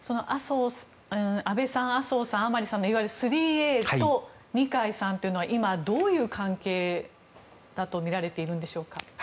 安倍さん、麻生さん甘利さんのいわゆる３Ａと二階さんというのは今、どういう関係だと見られているんでしょうか？